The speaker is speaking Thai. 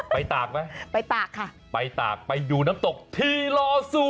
ไปตากไหมไปตากค่ะไปดูน้ำตกที่ลอสู